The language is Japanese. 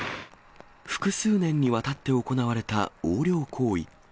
複数年にわたって行われた横領行為。